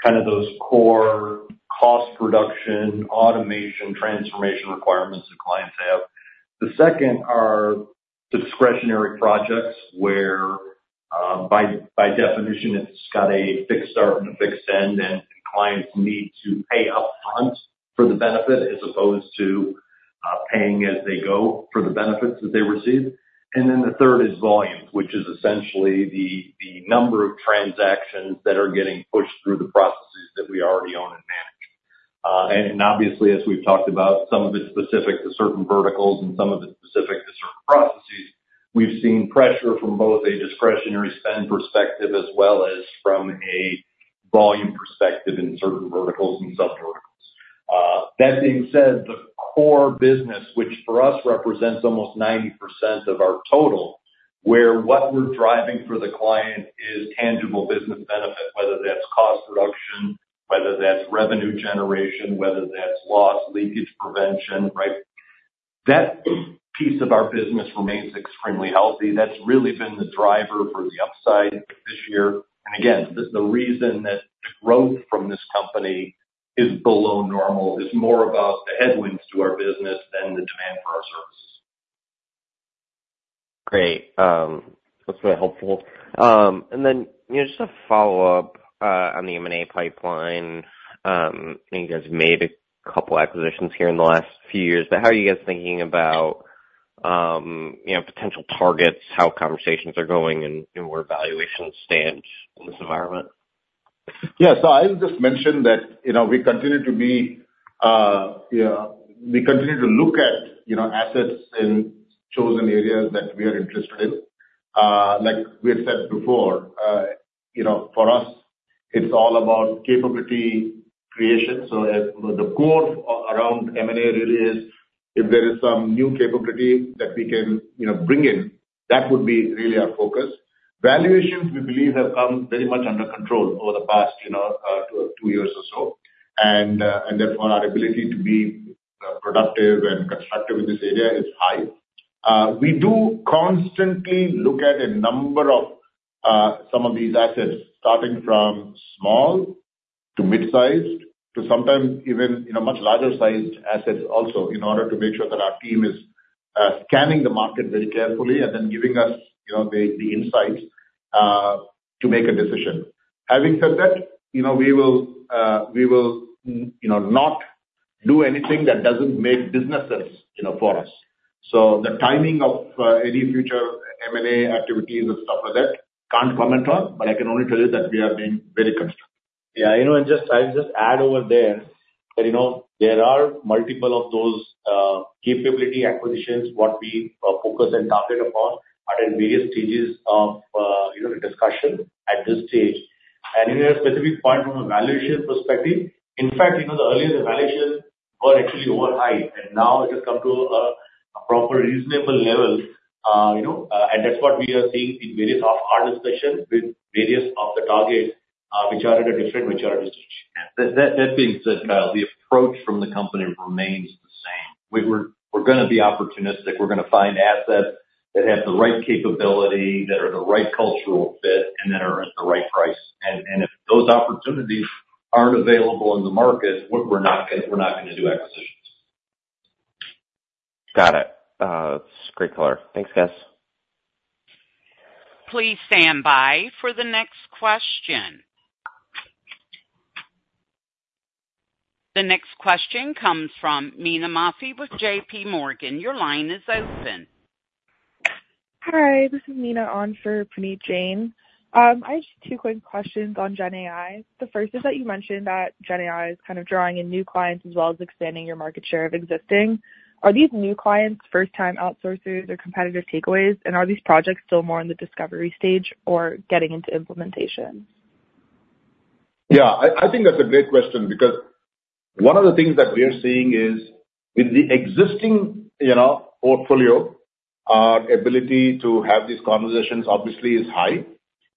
those core cost reduction, automation, transformation requirements that clients have. The second are the discretionary projects, where, by definition, it's got a fixed start and a fixed end, and clients need to pay up front for the benefit, as opposed to paying as they go for the benefits that they receive. And then the third is volume, which is essentially the number of transactions that are getting pushed through the processes that we already own and manage. And obviously, as we've talked about, some of it's specific to certain verticals and some of it's specific to certain processes. We've seen pressure from both a discretionary spend perspective, as well as from a volume perspective in certain verticals and sub verticals. That being said, the core business, which for us represents almost 90% of our total, where what we're driving for the client is tangible business benefit, whether that's cost reduction, whether that's revenue generation, whether that's loss leakage prevention, right? That piece of our business remains extremely healthy. That's really been the driver for the upside this year. And again, the reason that growth from this company is below normal is more about the headwinds to our business than the demand for our services. Great. That's very helpful. And then, you know, just a follow-up on the M&A pipeline. I think you guys have made a couple acquisitions here in the last few years, but how are you guys thinking about, you know, potential targets, how conversations are going, and where valuations stand in this environment? So I'll just mention that, you know, we continue to be, you know, we continue to look at, you know, assets in chosen areas that we are interested in. Like we had said before, you know, it's all about capability creation. So the core around M&A really is, if there is some new capability that we can, you know, bring in, that would be really our focus. Valuations, we believe, have come very much under control over the past, you know, 2 years or so, and therefore, our ability to be productive and constructive in this area is high. We do constantly look at a number of some of these assets, starting from small to mid-sized, to sometimes even, you know, much larger sized assets also, in order to make sure that our team is scanning the market very carefully and then giving us, you know, the, the insights to make a decision. Having said that, you know, we will, we will, you know, not do anything that doesn't make businesses, you know, for us. So the timing of any future M&A activities and stuff like that, can't comment on, but I can only tell you that we are being very constructive. You know, and just, I'll just add over there that, you know, there are multiple of those, capability acquisitions, what we, focus and target upon are at various stages of, you know, discussion at this stage. And in a specific point from a valuation perspective, in fact, you know, the earlier valuations were actually over high, and now it has come to a, a proper, reasonable level, you know, and that's what we are seeing in various of our discussions with various of the targets, which are at a different, which are at a different stage. That being said, Kyle, the approach from the company remains the same. We're gonna be opportunistic. We're gonna find assets that have the right capability, that are the right cultural fit, and that are at the right price. And if those opportunities aren't available in the market, we're not gonna do acquisitions. Got it. It's great color. Thanks, guys. Please stand by for the next question. The next question comes from Mina Mafi with JP Morgan. Your line is open. Hi, this is Mina on for Puneet Jain. I just have two quick questions on GenAI. The first is that you mentioned that GenAI is drawing in new clients as well as expanding your market share of existing. Are these new clients first-time outsourcers or competitive takeaways, and are these projects still more in the discovery stage or getting into implementation? I think that's a great question because one of the things that we are seeing is, with the existing, you know, portfolio, our ability to have these conversations obviously is high,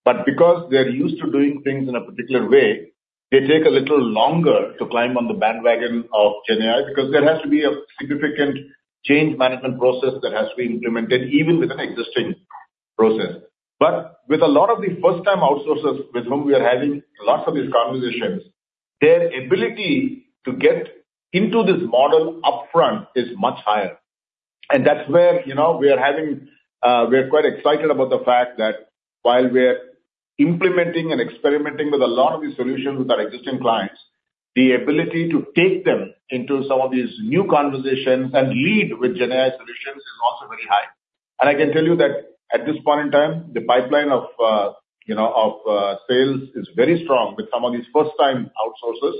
but because they're used to doing things in a particular way, they take a little longer to climb on the bandwagon of GenAI, because there has to be a significant change management process that has to be implemented, even with an existing process. But with a lot of the first-time outsourcers with whom we are having lots of these conversations, their ability to get into this model upfront is much higher. And that's where, you know, we are having. We are quite excited about the fact that while we are implementing and experimenting with a lot of these solutions with our existing clients, the ability to take them into some of these new conversations and lead with GenAI solutions is also very high. I can tell you that at this point in time, the pipeline of, you know, sales is very strong with some of these first-time outsourcers,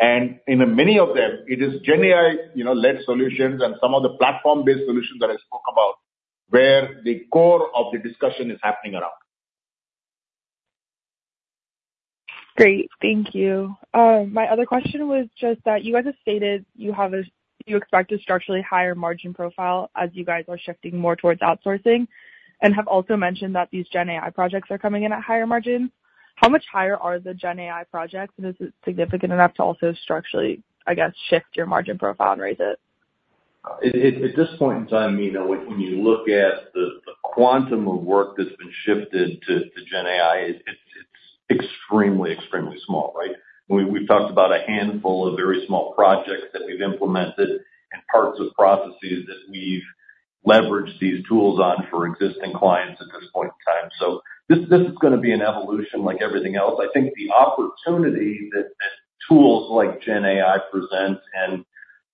and in many of them, it is GenAI, you know, led solutions and some of the platform-based solutions that I spoke about, where the core of the discussion is happening around. Great. Thank you. My other question was just that you guys have stated you expect a structurally higher margin profile as you guys are shifting more towards outsourcing, and have also mentioned that these GenAI projects are coming in at higher margins. How much higher are the GenAI projects, and is it significant enough to also structurally, I guess, shift your margin profile and raise it? At this point in time, Mina, when you look at the quantum of work that's been shifted to GenAI, it's extremely small, right? We've talked about a handful of very small projects that we've implemented and parts of processes that we've leveraged these tools on for existing clients at this point in time. So this is gonna be an evolution like everything else. I think the opportunity that tools like GenAI presents and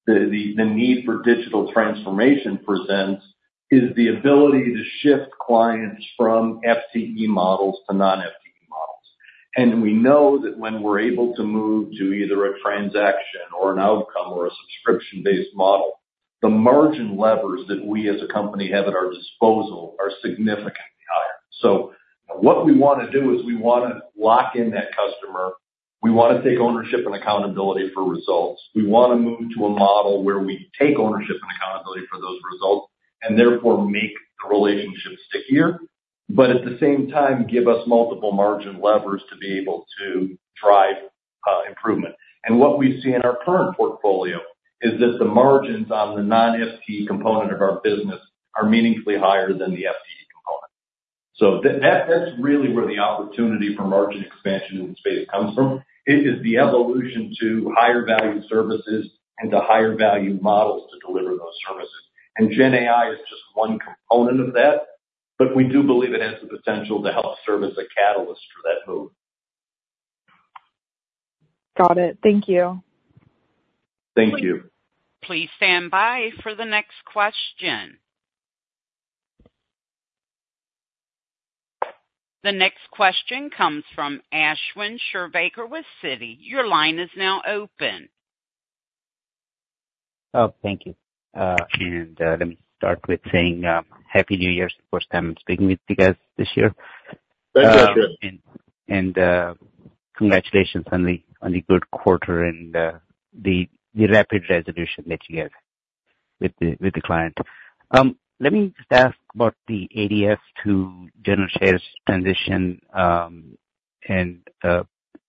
the need for digital transformation presents is the ability to shift clients from FTE models to non-FTE models. And we know that when we're able to move to either a transaction or an outcome or a subscription-based model, the margin levers that we as a company have at our disposal are significantly higher. So what we wanna do is we wanna lock in that customer. We wanna take ownership and accountability for results. We wanna move to a model where we take ownership and accountability for those results, and therefore, make the relationship stickier, but at the same time, give us multiple margin levers to be able to drive, improvement. What we see in our current portfolio is that the margins on the non-FCE component of our business are meaningfully higher than the FTE component. So that, that's really where the opportunity for margin expansion in the space comes from. It is the evolution to higher value services and to higher value models to deliver those services. And GenAI is just one component of that, but we do believe it has the potential to help serve as a catalyst for that move. Got it. Thank you. Thank you. Please stand by for the next question. The next question comes from Ashwin Shirvaikar with Citi. Your line is now open. Thank you. And let me start with saying Happy New Year. It's the first time I'm speaking with you guys this year. Thank you. Congratulations on the good quarter and the rapid resolution that you have with the client. Let me just ask about the ADS to general shares transition, and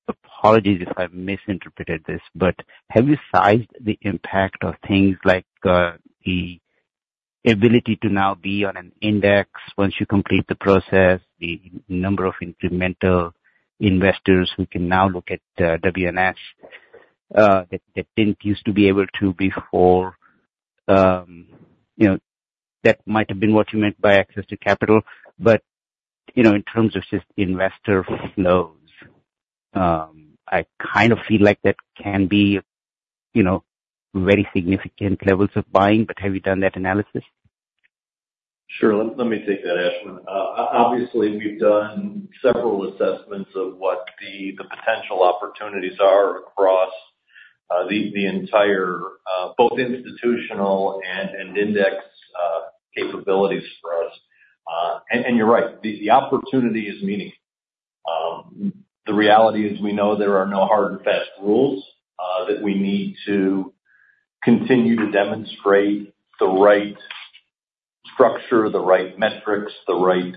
apologies if I've misinterpreted this, but have you sized the impact of things like the ability to now be on an index once you complete the process, the number of incremental investors who can now look at WNS that didn't used to be able to before? You know, that might have been what you meant by access to capital, but you know, in terms of just investor flows, I feel like that can be you know, very significant levels of buying. But have you done that analysis? Sure. Let me take that, Ashwin. Obviously, we've done several assessments of what the potential opportunities are across the entire both institutional and index capabilities for us. And you're right, the opportunity is meaningful. The reality is we know there are no hard and fast rules that we need to continue to demonstrate the right structure, the right metrics, the right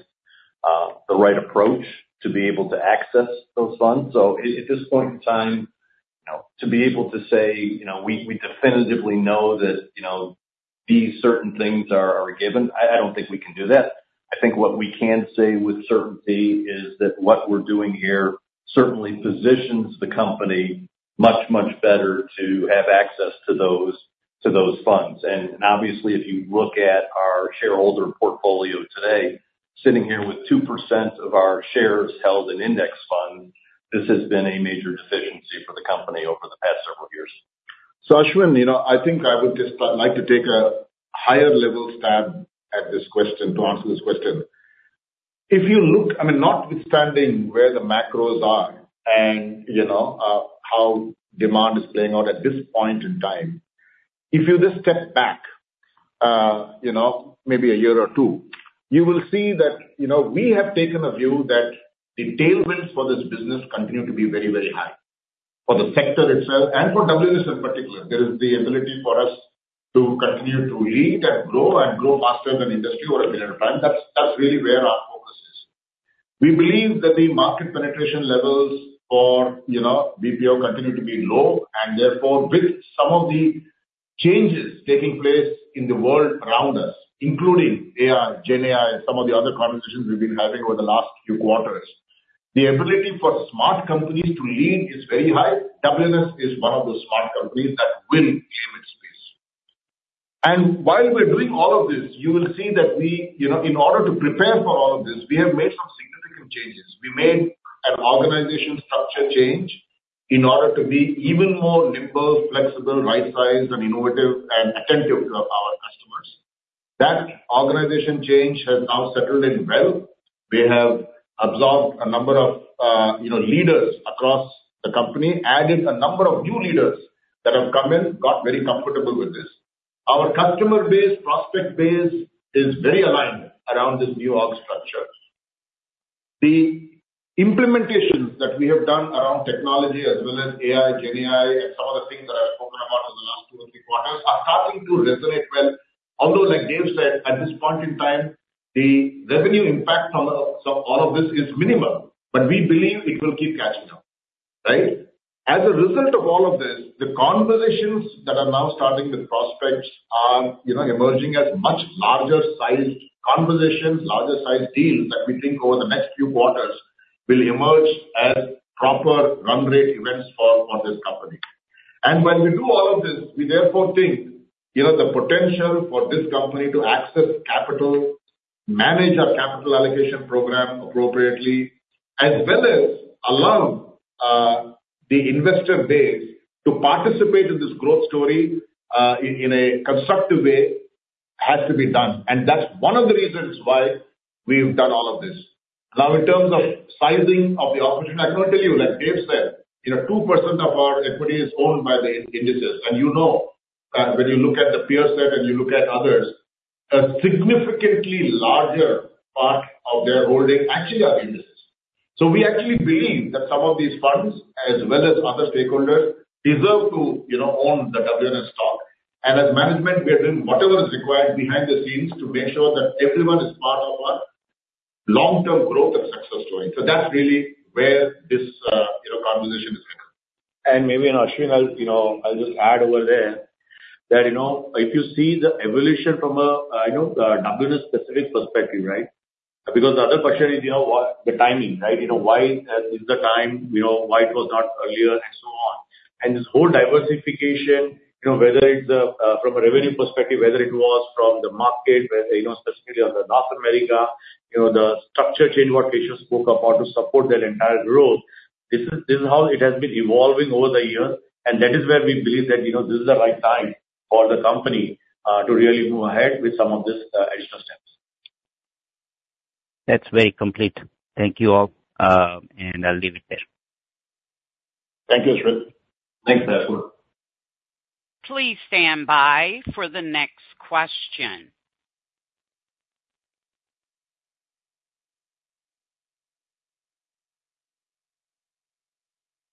approach to be able to access those funds. So at this point in time, you know, to be able to say, you know, we definitively know that, you know, these certain things are a given, I don't think we can do that. I think what we can say with certainty is that what we're doing here certainly positions the company much, much better to have access to those, to those funds. And, and obviously, if you look at our shareholder portfolio today, sitting here with 2% of our shares held in index funds, this has been a major deficiency for the company over the past several years. So, Ashwin, you know, I think I would just like to take a higher level stab at this question, to answer this question. If you look. I mean, notwithstanding where the macros are and, you know, how demand is playing out at this point in time, if you just step back, you know, maybe a year or two, you will see that, you know, we have taken a view that the tailwinds for this business continue to be very, very high. For the sector itself and for WNS in particular, there is the ability for us to continue to lead and grow and grow faster than the industry over a period of time. That's, that's really where our focus is. We believe that the market penetration levels for, you know, BPO continue to be low, and therefore, with some of the changes taking place in the world around us, including AI, GenAI, and some of the other conversations we've been having over the last few quarters, the ability for smart companies to lead is very high. WNS is one of those smart companies that will gain its pace. And while we're doing all of this, you will see that we, you know, in order to prepare for all of this, we have made some significant changes. We made an organization structure change in order to be even more nimble, flexible, right-sized, and innovative and attentive to our customers. That organization change has now settled in well. We have absorbed a number of, you know, leaders across the company, added a number of new leaders that have come in, got very comfortable with this. Our customer base, prospect base, is very aligned around this new org structure. The implementations that we have done around technology as well as AI, GenAI, and some of the things that I've spoken about over the last two or three quarters, are starting to resonate well. Although, like Dave said, at this point in time, the revenue impact on the, of all of this is minimal, but we believe it will keep catching up, right? As a result of all of this, the conversations that are now starting with prospects are, you know, emerging as much larger-sized conversations, larger-sized deals that we think over the next few quarters will emerge as proper run rate events for, for this company. And when we do all of this, we therefore think, you know, the potential for this company to access capital, manage our capital allocation program appropriately, as well as allow the investor base to participate in this growth story in a constructive way, has to be done. And that's one of the reasons why we've done all of this. Now, in terms of sizing of the opportunity, I can only tell you, like Dave said, you know, 2% of our equity is owned by the indices. And you know that when you look at the peer set and you look at others, a significantly larger part of their holding actually are indices. So we actually believe that some of these funds, as well as other stakeholders, deserve to, you know, own the WNS stock. As management, we are doing whatever is required behind the scenes to make sure that everyone is part of our long-term growth and success story. That's really where this, you know, conversation is coming. And maybe, and Ashwin, I'll, you know, I'll just add over there, that, you know, if you see the evolution from a, you know, a WNS specific perspective, right? Because the other question is, you know, what the timing, right? You know, why is the time, you know, why it was not earlier and so on. And this whole diversification, you know, whether it's from a revenue perspective, whether it was from the market, whether, you know, specifically on the North America, you know, the structure change, what Keshu spoke about, to support their entire growth, this is, this is how it has been evolving over the years, and that is where we believe that, you know, this is the right time for the company to really move ahead with some of this additional steps. That's very complete. Thank you all, and I'll leave it there. Thank you, Ashwin. Thanks, Ashwin. Please stand by for the next question.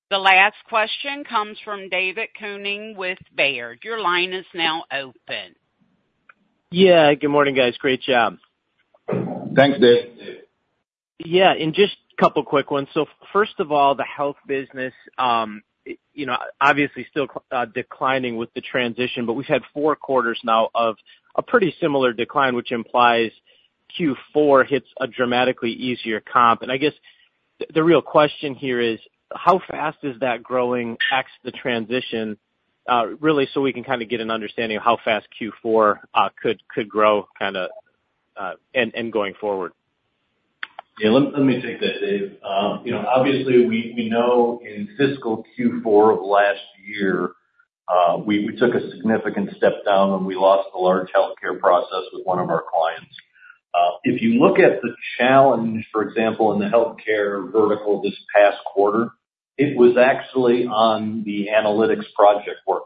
The last question comes from David Koning with Baird. Your line is now open. Good morning, guys. Great job. Thanks, Dave. And just a couple quick ones. So first of all, the health business, you know, obviously still declining with the transition, but we've had four quarters now of a pretty similar decline, which implies Q4 hits a dramatically easier comp. And I guess the real question here is: how fast is that growing ex the transition really so we can get an understanding of how fast Q4 could grow, and going forward? Let me take that, Dave. You know, obviously, we know in fiscal Q4 of last year, we took a significant step down when we lost a large healthcare process with one of our clients. If you look at the challenge, for example, in the healthcare vertical this past quarter, it was actually on the analytics project work.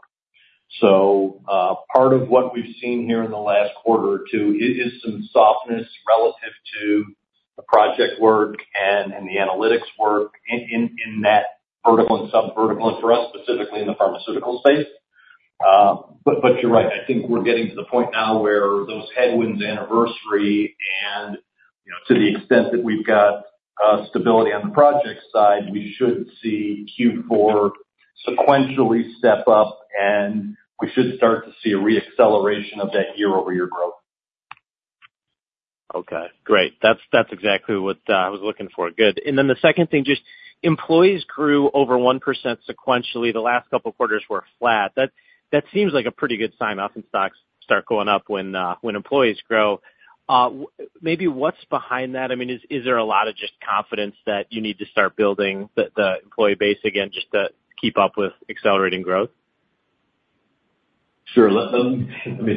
So, part of what we've seen here in the last quarter or two is some softness relative to the project work and the analytics work in that vertical and subvertical, and for us, specifically in the pharmaceutical space. But you're right. I think we're getting to the point now where those headwinds anniversary and, you know, to the extent that we've got stability on the project side, we should see Q4 sequentially step up, and we should start to see a reacceleration of that year-over-year growth. Okay, great. That's, that's exactly what I was looking for. Good. And then the second thing, just employees grew over 1% sequentially. The last couple quarters were flat. That, that seems like a pretty good sign. Often, stocks start going up when, when employees grow. Maybe what's behind that? I mean, is, is there a lot of just confidence that you need to start building the, the employee base again, just to keep up with accelerating growth? Sure. Let me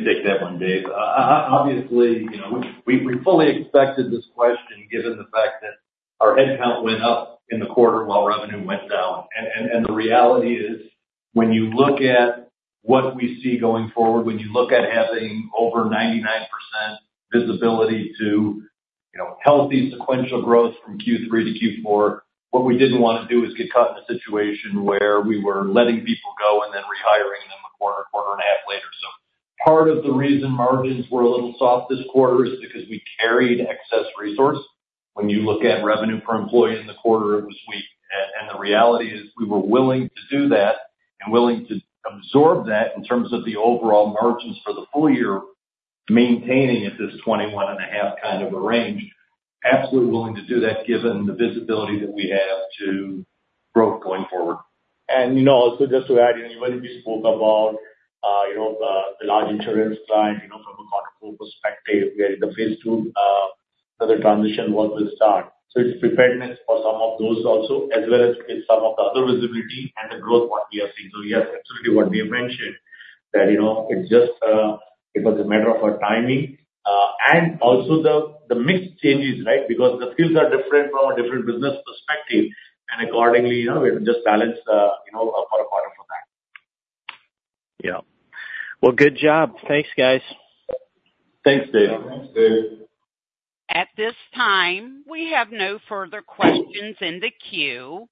take that one, Dave. Obviously, you know, we fully expected this question, given the fact that our headcount went up in the quarter while revenue went down. And the reality is, when you look at what we see going forward, when you look at having over 99% visibility to, you know, healthy sequential growth from Q3 to Q4, what we didn't want to do is get caught in a situation where we were letting people go and then rehiring them a quarter and a half later. So part of the reason margins were a little soft this quarter is because we carried excess resource. When you look at revenue per employee in the quarter, it was weak. The reality is, we were willing to do that and willing to absorb that in terms of the overall margins for the full year, maintaining at this 21.5 a range. Absolutely willing to do that given the visibility that we have to growth going forward. You know, also just to add in, when we spoke about, you know, the, the large insurance client, you know, from a quarter four perspective, we are in the phase two, so the transition work will start. So it's preparedness for some of those also, as well as in some of the other visibility and the growth what we are seeing. So, yes, absolutely. What we have mentioned that, you know, it's just, it was a matter of a timing, and also the, the mix changes, right? Because the skills are different from a different business perspective, and accordingly, you know, we have to just balance, you know, quarter to quarter for that. Good job. Thanks, guys. Thanks, Dave. Thanks, Dave. At this time, we have no further questions in the queue.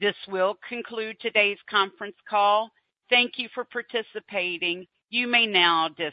This will conclude today's conference call. Thank you for participating. You may now disconnect.